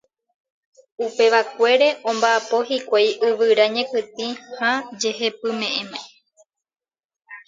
Upevakuére omba'apo hikuái yvyra ñekytĩ ha jehepyme'ẽme.